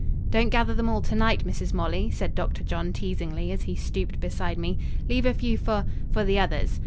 "Don't gather them all to night, Mrs. Molly," said Dr. John teasingly, as he stooped beside me. "Leave a few for for the others."